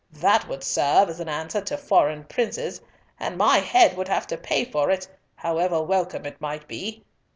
That would serve as an answer to foreign princes, and my head would have to pay for it, however welcome it might be!